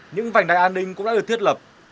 những vành đài an ninh cũng đã được thiết lập